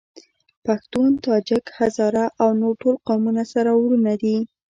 پښتون ، تاجک ، هزاره او نور ټول قومونه سره وروڼه دي.